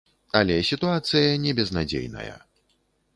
Але сітуацыя не безнадзейная.